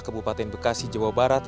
kebupaten bekasi jawa barat